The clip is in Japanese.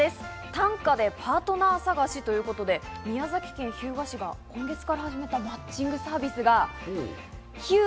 短歌でパートナー探しということで、宮崎県日向市が今月から始めたマッチングサービスが「ヒュー！